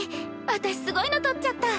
私すごいのとっちゃった。